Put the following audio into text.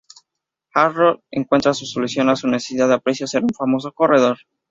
Harold encuentra una solución a su necesidad de aprecio en ser un famoso corredor.